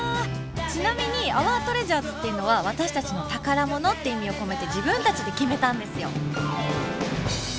ちなみに「アワートレジャーズ」っていうのは「私たちの宝物」って意味を込めて自分たちで決めたんですよ。